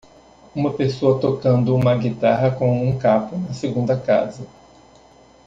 Uma pessoa tocando uma guitarra com um capo na segunda casa.